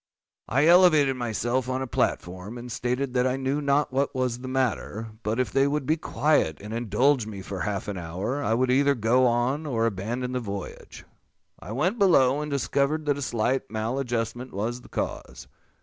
I elevated myself on a platform, and stated that I knew not what was the matter; but if they would be quiet, and indulge me for half an hour, I would either go on or abandon the voyage. I went below, and discovered that a slight maladjustment was the cause.